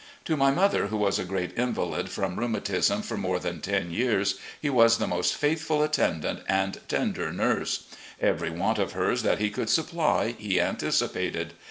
To my mother, who was a great invahd from rheu matism for more than ten years, he was the most faithful attendant and tender nmse. Every want of hers that he could supply he anticipated.